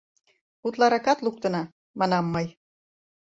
— Утларакат луктына, — манам мый.